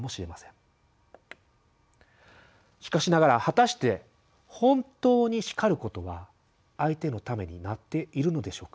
しかしながら果たして本当に叱ることは相手のためになっているのでしょうか？